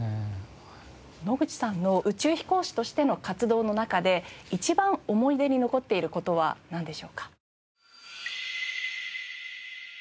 野口さんの宇宙飛行士としての活動の中で一番思い出に残っている事はなんでしょうか？